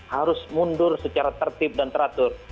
harus mundur secara tertib dan teratur